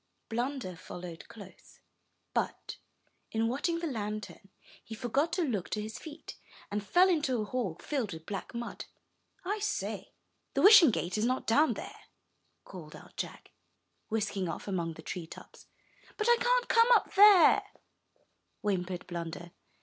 Blunder followed close, but, in watching the lantern, he forgot to look to his feet, and fell into a hole filled with black mud. "I say! the Wishing Gate is not down there," called out Jack, whisking off among the treetops. "But I can't come up there," whimpered Blunder.